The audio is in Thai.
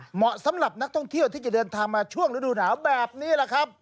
เหมาะสำหรับนักท่องเที่ยวที่จะเดินทางมาช่วงฤดูหนาวแบบนี้แหละครับ